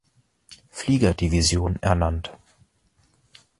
Flieger-Division ernannt.